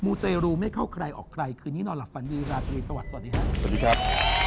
ูเตรูไม่เข้าใครออกใครคืนนี้นอนหลับฝันดีลาตรีสวัสดีครับสวัสดีครับ